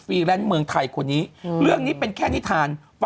แลนซ์เมืองไทยคนนี้เรื่องนี้เป็นแค่นิทาน